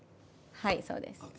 はいそうです。